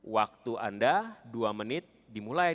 waktu anda dua menit dimulai